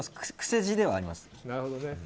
癖字ではあります。